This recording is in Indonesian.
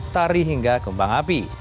tari hingga kembang api